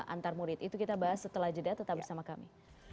antar murid itu kita bahas setelah jeda tetap bersama kami